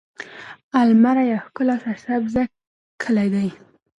المره يو ښکلی او سرسبزه کلی دی.